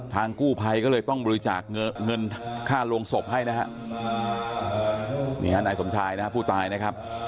กู้ภัยก็เลยต้องบริจาคเงินค่าโรงศพให้นะฮะนี่ฮะนายสมชายนะฮะผู้ตายนะครับ